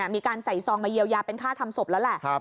มีการใส่ซองมาเยียวยาเป็นค่าทำศพแล้วแหละ